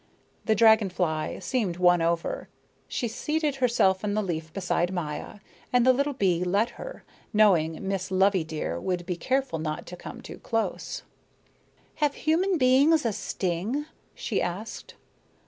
The dragon fly seemed won over. She seated herself on the leaf beside Maya. And the little bee let her, knowing Miss Loveydear would be careful not to come too close. "Have human beings a sting?" she asked.